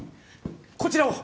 こちらを！